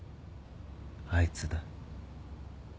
あいつだ。